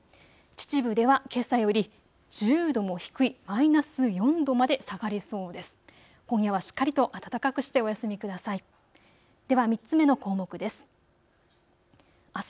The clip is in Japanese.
秩父ではけさより１０度も低いマイナス４度まで下がりそうです。